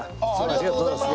ありがとうございます。